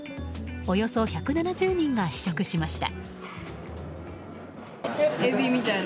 およそ１７０人が試食しました。